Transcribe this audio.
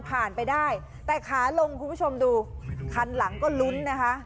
ไปได้แต่ขาลงคุณผู้ชมดูคันหลังก็ลุ้นนะคะ